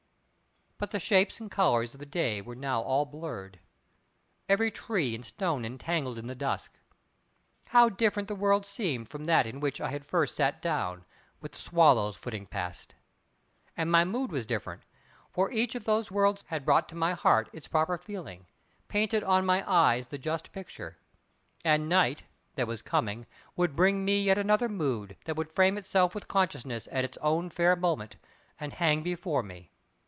But the shapes and colours of the day were now all blurred; every tree and stone entangled in the dusk. How different the world seemed from that in which I had first sat down, with the swallows flirting past. And my mood was different; for each of those worlds had brought to my heart its proper feeling—painted on my eyes the just picture. And Night, that was coming, would bring me yet another mood that would frame itself with consciousness at its own fair moment, and hang before me.